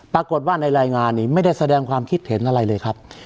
ปรากฏว่าในรายงานนี้ไม่ได้แสดงความคิดเห็นอะไรเลยครับ